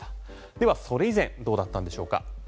ではそれ以前どうだったんでしょうか？